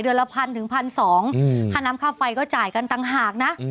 เดือนละพันธุ์ถึงพันธุ์สองคันน้ำความไฟก็จ่ายกันต่างหากนะ